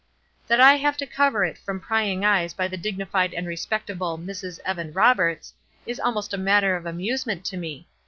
That I have to cover it from prying eyes by the dignified and respectable 'Mrs. Evan Roberts,' is almost a matter of amusement to me.